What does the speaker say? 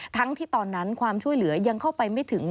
ทั้งที่ตอนนั้นความช่วยเหลือยังเข้าไปไม่ถึง